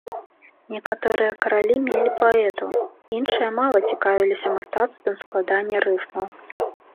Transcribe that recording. Некаторыя каралі мелі паэтаў, іншыя мала цікавіліся мастацтвам складання рыфмаў.